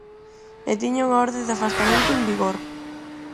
El tiña unha orde de afastamento en vigor.